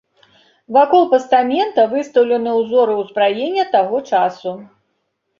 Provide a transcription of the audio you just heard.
Вакол пастамента выстаўлены ўзоры ўзбраення таго часу.